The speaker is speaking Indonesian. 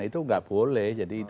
itu tidak boleh